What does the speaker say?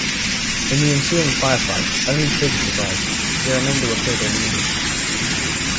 In the ensuing firefight, only Fisher survived; the remainder were killed or wounded.